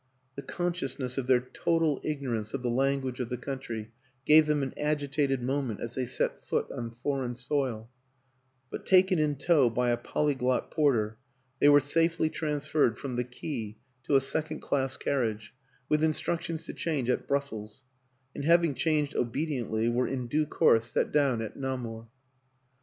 The conscious ness of their total ignorance of the language of the country gave them an agitated moment as they set foot on foreign soil but, taken in tow by a polyglot porter, they were safely transferred from the quay to a second class carriage, with in structions to change at Brussels; and, having changed obediently, were in due course set down at Namur.